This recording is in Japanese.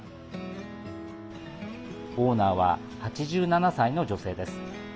オーナーは８７歳の女性です。